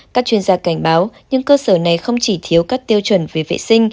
các chuyên gia cảnh báo những cơ sở này không chỉ thiếu các tiêu chuẩn về vệ sinh